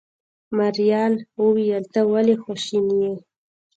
ماريا وويل ته ولې خواشيني يې.